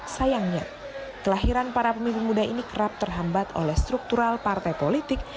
sayangnya kelahiran para pemimpin muda ini kerap terhambat oleh struktural partai politik